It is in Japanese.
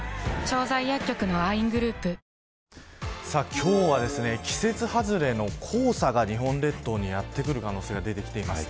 今日は季節外れの黄砂が日本列島にやってくる可能性が出てきています。